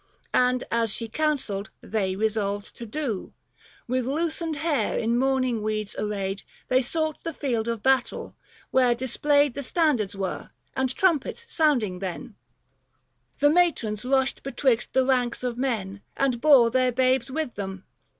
— And, as she counselled, they resolved to do :— With loosened hair, in mourning weeds arrayed, They sought the field of battle ; where displayed, Book III. THE FASTI. 75 The standards were, and trumpets sounding then. 230 The matrons rushed betwixt the ranks of men, And bore their babes with them.